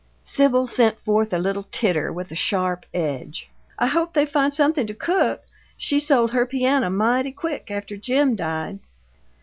Sibyl sent forth a little titter with a sharp edge. "I hope they find something to cook! She sold her piano mighty quick after Jim died!"